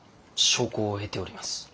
小康を得ております。